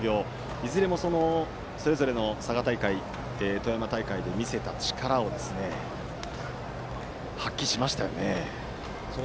いずれもそれぞれの佐賀大会、富山大会で見せた力を発揮しましたよね。